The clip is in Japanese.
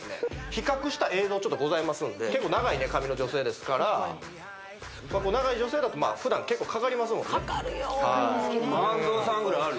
比較した映像ちょっとございますので結構長いね髪の女性ですから長い女性だとふだん結構かかりますもんね安藤さんぐらいある？